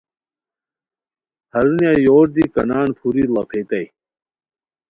ہرونیہ یور دی کانان پھوری ڑاپھیتائے